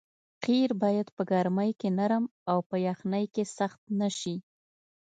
قیر باید په ګرمۍ کې نرم او په یخنۍ کې سخت نه شي